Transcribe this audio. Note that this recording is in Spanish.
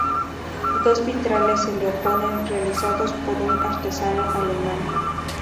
Dos vitrales se le oponen, realizados por un artesano alemán.